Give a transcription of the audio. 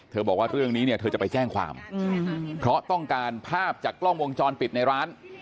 บอกว่าเรื่องนี้เนี่ยเธอจะไปแจ้งความเพราะต้องการภาพจากกล้องวงจรปิดในร้าน